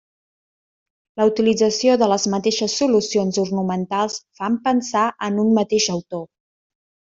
La utilització de les mateixes solucions ornamental fan pensar en un mateix autor.